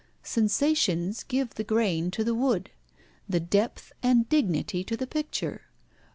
Sensations give the grain to the wood, the depth and dignity to the picture.